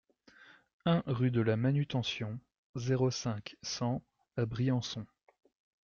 un rue de la Manutention, zéro cinq, cent à Briançon